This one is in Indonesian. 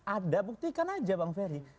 ada buktikan aja bang ferry